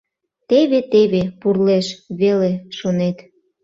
«Теве-теве пурлеш», — веле шонет.